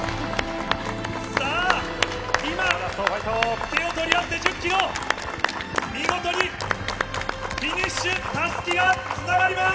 さあ、今、手を取り合って１０キロを見事にフィニッシュ、たすきがつながります。